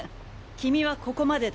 君はここまでだ。